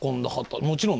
もちろんね